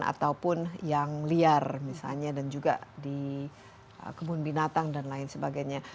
ataupun yang liar misalnya dan juga di kebun binatang dan lain sebagainya